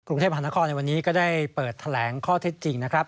กรุงเทพมหานครในวันนี้ก็ได้เปิดแถลงข้อเท็จจริงนะครับ